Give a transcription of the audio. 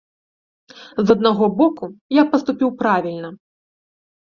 З аднаго боку, я паступіў правільна.